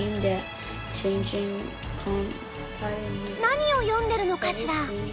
何を読んでるのかしら。